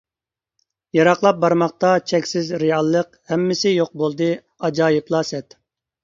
يىراقلاپ بارماقتا چەكسىز رېئاللىق، ھەممىسى يوق بولدى ئاجايىپلا سەت!